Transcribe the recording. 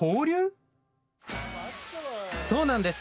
そうなんです。